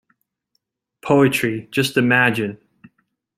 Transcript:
Poetry, just imagine!